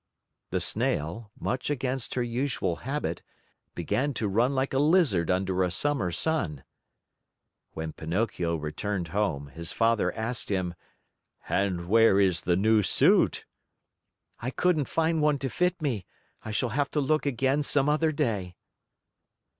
The Snail, much against her usual habit, began to run like a lizard under a summer sun. When Pinocchio returned home, his father asked him: "And where is the new suit?" "I couldn't find one to fit me. I shall have to look again some other day."